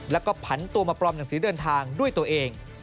แล้วก็ผันตัวมาปลอมหนังสือเดินทางด้วยตัวเอง